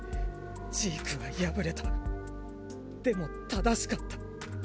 ジークは敗れたでも正しかった。